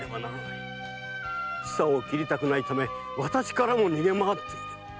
千佐を斬りたくないため私からも逃げ回っている。